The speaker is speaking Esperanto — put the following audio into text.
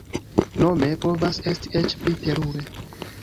Nome, povas esti eĉ pli terure.